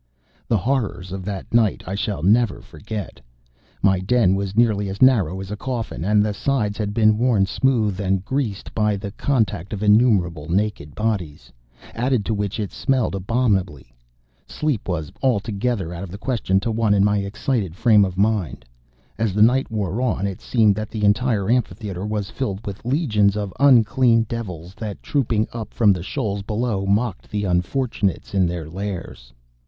The horrors of that night I shall never forget. My den was nearly as narrow as a coffin, and the sides had been worn smooth and greasy by the contact of innumerable naked bodies, added to which it smelled abominably. Sleep was altogether out of question to one in my excited frame of mind. As the night wore on, it seemed that the entire amphitheatre was filled with legions of unclean devils that, trooping up from the shoals below, mocked the unfortunates in their lairs.